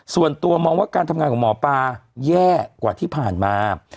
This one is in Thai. ส่วนตัวมองว่าการทำงานของหมอปลาแย่กว่าที่ผ่านมา